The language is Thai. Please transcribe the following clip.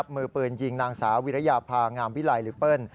มือปืนยิงนางสาววิรยาภางามวิลัยหรือเปิ้ล